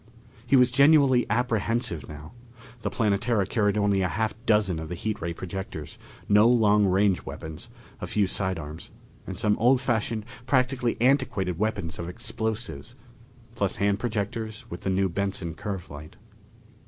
He was genuinely apprehensive now. The Planetara carried only a half dozen of the heat ray projectors, no long range weapons, a few side arms, and some old fashioned, practically antiquated weapons of explosives, plus hand projectors with the new Benson curve light.